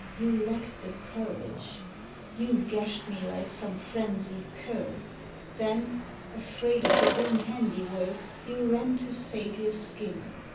You lacked the courage. You gashed me like some frenzied cur. Then, afraid of your own handiwork, you ran to save your skin.